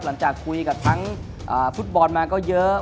หลังจากคุยกับทั้งฟุตบอลมาก็เยอะ